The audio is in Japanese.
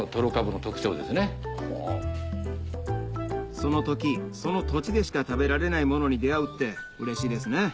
その時その土地でしか食べられないものに出合うってうれしいですね